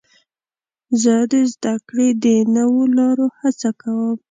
زه د زدهکړې د نوو لارو هڅه کوم.